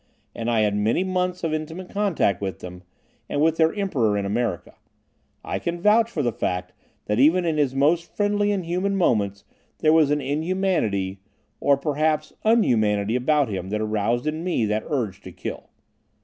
And I had many months of intimate contact with them, and with their Emperor in America. I can vouch for the fact that even in his most friendly and human moments, there was an inhumanity, or perhaps "unhumanity" about him that aroused in me that urge to kill.